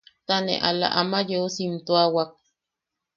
Ta ne ala ama yeu siimtuawak.